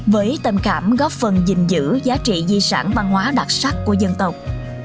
với tâm cảm góp phần gìn giữ giá trị di sản văn hóa đặc sắc của dân tộc